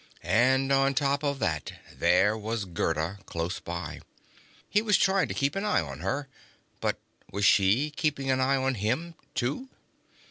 And on top of that, there was Gerda, close by. He was trying to keep an eye on her. But was she keeping an eye on him, too?